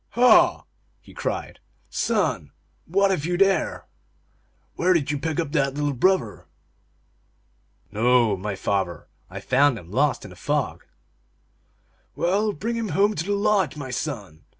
" Ha !" he cried. " Son, what have you there ? Where did you pick up that little brother ?"" Noo, my father, I found him lost in the fog." "Well, bring him home to the lodge, my son